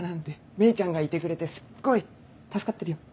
芽衣ちゃんがいてくれてすっごい助かってるよ。